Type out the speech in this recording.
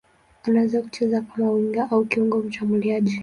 Anaweza kucheza kama winga au kiungo mshambuliaji.